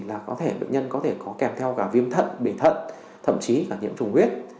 là có thể bệnh nhân có thể có kèm theo cả viêm thận bể thận thậm chí là nhiễm trùng huyết